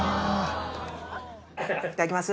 いただきます！